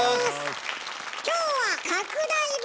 今日は拡大版！